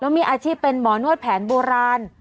มีอาชีพเป็นหมอนวดแผนโบราณ